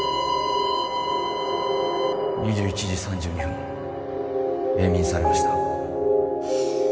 ・２１時３２分永眠されました